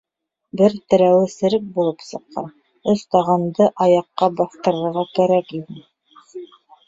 Бер терәүе серек булып сыҡҡан «Өс таған»ды аяҡҡа баҫтырырға кәрәк ине.